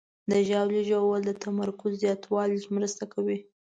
د ژاولې ژوول د تمرکز زیاتولو کې مرسته کوي.